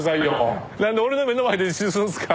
何で俺の目の前で自首するんですか？